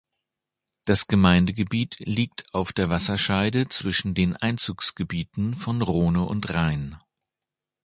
Das Gemeindegebiet liegt auf der Wasserscheide zwischen den Einzugsgebieten von Rhone und Rhein.